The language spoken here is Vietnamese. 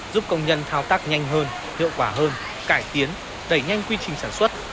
giúp công nhân thao tác nhanh hơn hiệu quả hơn cải tiến đẩy nhanh quy trình sản xuất